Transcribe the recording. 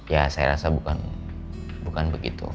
ya saya rasa bukan begitu